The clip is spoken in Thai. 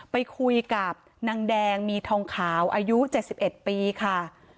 ไปคุยกับนางแดงมีทองขาวอายุเจ็ดสิบเอ็ดปีค่ะ